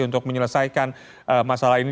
untuk menyelesaikan masalah ini